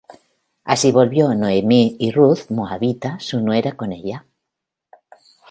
Así volvió Noemi y Ruth Moabita su nuera con ella.